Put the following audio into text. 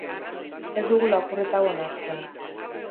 Ez dugu lapurreta hau onartzen.